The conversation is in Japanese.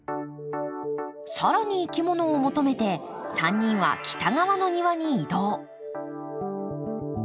更にいきものを求めて３人は北側の庭に移動。